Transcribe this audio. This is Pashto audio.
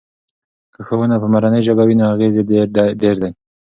که ښوونه په مورنۍ ژبه وي نو اغیز یې ډیر دی.